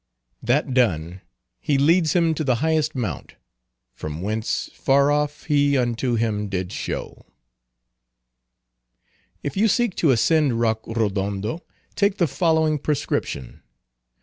—"That done, he leads him to the highest mount, From whence, far off he unto him did show:"— If you seek to ascend Rock Rodondo, take the following prescription.